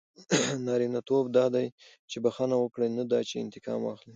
نارینه توب دا دئ، چي بخښنه وکړئ؛ نه دا چي انتقام واخلى.